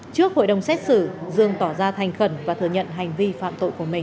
trước hội đồng xét xử dương tỏ ra thành khẩn và thừa nhận hành vi phạm tội của mình